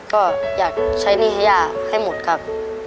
ก็อยากใช้หนี้ให้ย่าให้หมดครับ